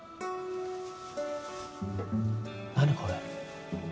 何これ？